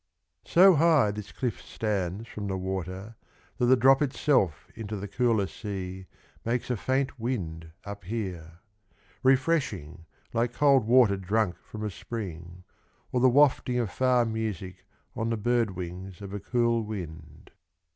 So high this cliff stands from the water That the drop itself into the cooler sea Makes a faint wind up here — Refreshing like cold water drunk from a spring, Or the wafting of far music On the bird wings of a cool wind.